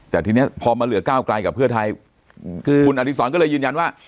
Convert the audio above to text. แต่ทีนี้พอมาเหลือก้าวไกลกับเพื่อไทยคุณอดีศรก็เลยยืนยันว่า